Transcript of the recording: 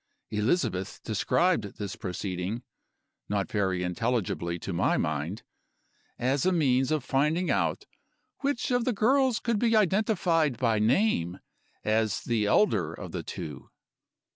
Elizabeth described this proceeding (not very intelligibly to my mind) as a means of finding out which of the girls could be identified by name as the elder of the two.